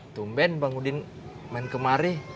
tumben bang udin main kemari